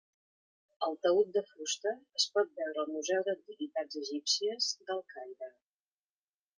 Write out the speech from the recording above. El taüt de fusta es pot veure al Museu d'Antiguitats Egípcies del Caire.